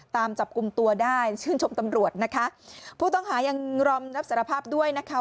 ตามจับกลุ่มตัวได้ชื่นชมตำรวจนะคะผู้ต้องหายังรำรับสารภาพด้วยนะคะ